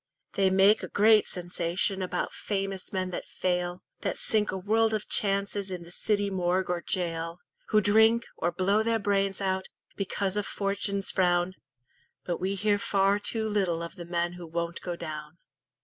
They make a great sensation About famous men that fail, That sink a world of chances In the city morgue or gaol, Who drink, or blow their brains out, Because of "Fortune's frown". But we hear far too little Of the men who won't go down.